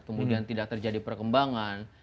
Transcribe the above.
kemudian tidak terjadi perkembangan